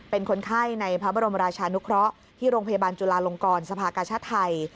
เป็นคนไข้ในพระบรมราชานุเคราะห์ที่โรงพยาบาลจุลาลงกรสภากาชาติไทย